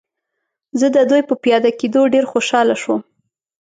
زه د دوی په پیاده کېدو ډېر خوشحاله شوم.